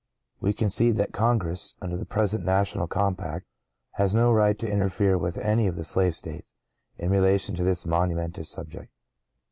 We concede that Congress, under the present national compact, has no right to interfere with any of the slave States, in relation to this momentous subject.